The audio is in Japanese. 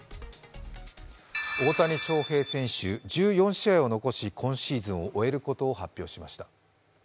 大谷翔平選手、１４試合を残し今シーズンを終えることを発表しました。